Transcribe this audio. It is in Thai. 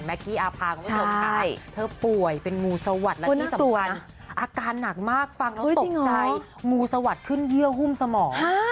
แม็กกี้อาพางคุณผู้ชมข้าเธอป่วยเป็นงูสะวัตรและที่สำคัญอาการหนักมากฟังตกใจงูสะวัตรขึ้นเหี้ยวหุ้มสมอง